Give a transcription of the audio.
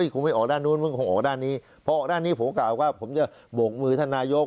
คงไม่ออกด้านนู้นมึงคงออกด้านนี้เพราะด้านนี้ผมกล่าวว่าผมจะโบกมือท่านนายก